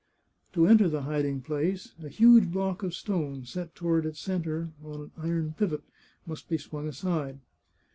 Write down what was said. To enter the hiding place, a huge block of stone, set toward its centre on an iron pivot, must be swung aside.